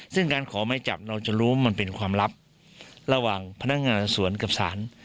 ซึ่งการขอไม้จับเราจะรู้มันเป็นความลับระหว่างพนักงานสวนกับศาล